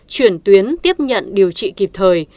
chuyển tuyến tiếp nhận điều trị kịp thời